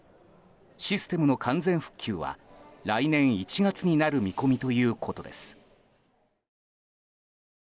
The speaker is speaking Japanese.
システムの完全復旧は来年１月になる見込みということです。